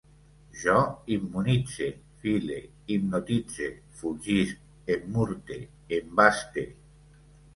Jo immunitze, file, hipnotitze, fulgisc, emmurte, embaste